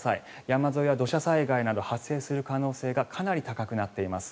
山沿いは土砂災害など発生する可能性がかなり高くなっています。